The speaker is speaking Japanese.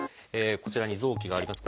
こちらに臓器があります。